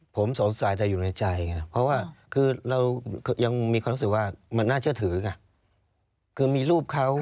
ผมสงสัยแต่อยู่ในใจไงเพราะว่าคือเรายังมีความรู้สึกว่ามันน่าเชื่อถือไงคือมีรูปเขา